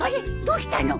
どうしたの？